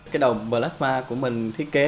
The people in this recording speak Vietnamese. cái đầu plasma của mình thiết kế